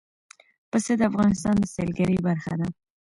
پسه د افغانستان د سیلګرۍ برخه ده.